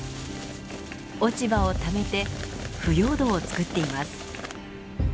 落ち葉をためて腐葉土をつくっています。